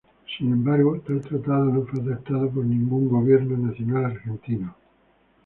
Sin embargo, tal tratado no fue aceptado por ningún gobierno nacional argentino.